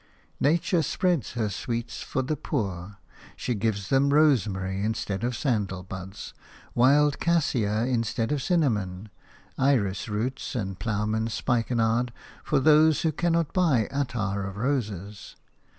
Nature spreads her sweets for the poor: she gives them rosemary instead of sandal buds, wild cassia instead of cinnamon, iris roots and ploughman's spikenard for these who cannot buy attar of roses.